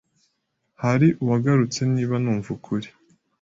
Hari uwagarutse niba numva ukuri